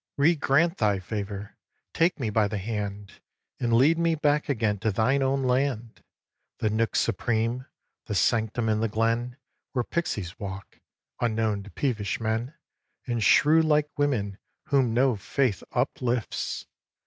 xv. Re grant thy favour! Take me by the hand And lead me back again to thine own land, The nook supreme, the sanctum in the glen Where pixies walk, unknown to peevish men And shrew like women whom no faith uplifts!